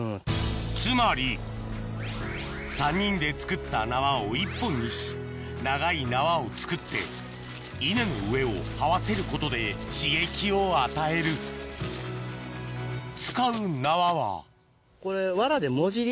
つまり３人で作った縄を１本にし長い縄を作って稲の上をはわせることで刺激を与える使う縄はこれわらでもじり。